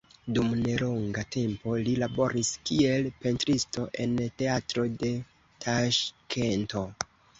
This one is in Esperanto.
Dum nelonga tempo li laboris kiel pentristo en teatro de Taŝkento.